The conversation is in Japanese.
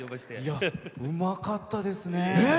うまかったですね。